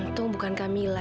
untung bukan kamila